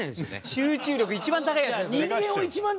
集中力一番高いやつですよね。